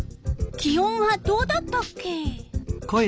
気温はどうだったっけ？